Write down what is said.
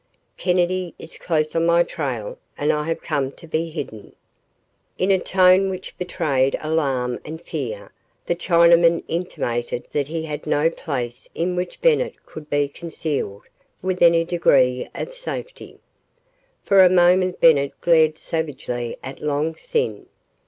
Kennedy is close on my trail, and I have come to be hidden." In a tone which betrayed alarm and fear the Chinaman intimated that he had no place in which Bennett could be concealed with any degree of safety. For a moment Bennett glared savagely at Long Sin.